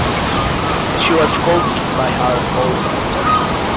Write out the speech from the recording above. She was coached by her older sisters.